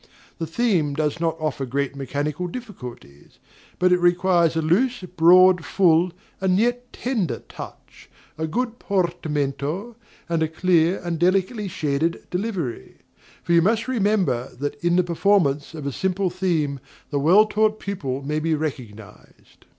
The theme does not offer great mechanical difficulties; but it requires a loose, broad, full, and yet tender touch, a good portamento, and a clear and delicately shaded delivery; for you must remember that "in the performance of a simple theme the well taught pupil may be recognized."